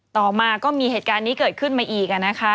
ต่อมาก็มีเหตุการณ์นี้เกิดขึ้นมาอีก